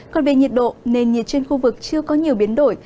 còn về nhiệt độ nền nhiệt trên khu vực chưa có nhiều biến đổi